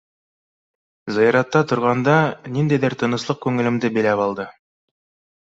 Зыяратта торғанда ниндәйҙер тыныслыҡ күңелемде биләп алды.